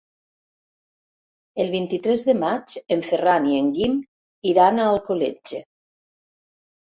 El vint-i-tres de maig en Ferran i en Guim iran a Alcoletge.